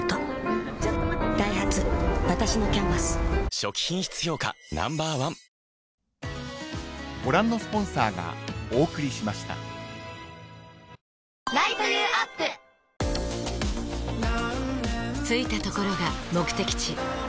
初期品質評価Ｎｏ．１着いたところが目的地